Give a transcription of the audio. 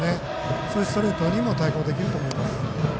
そういうストレートにも対抗できると思います。